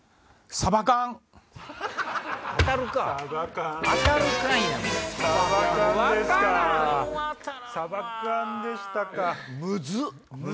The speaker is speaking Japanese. サバ缶でしたか。